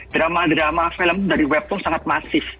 drama drama film dari webtom sangat masif